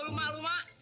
lu malu emak